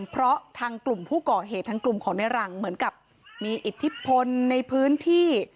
เพราะทางกลุ่มผู้ก่อเหตุทางกลุ่มของในหลังเหมือนกับมีอิทธิพลในพื้นที่